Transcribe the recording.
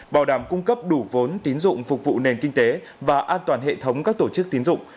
bảo đảm cung cấp đủ vốn tín dụng phục vụ nền kinh tế và an toàn hệ thống các tổ chức tín dụng